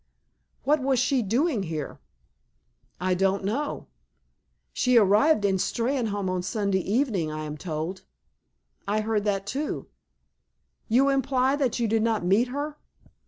"What was she doing here?" "I don't know." "She arrived in Steynholme on Sunday evening, I am told." "I heard that, too." "You imply that you did not meet her?"